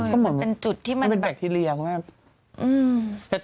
ก็เหมือนเป็นจุดที่มันแบคทีเรียมันแบบอืม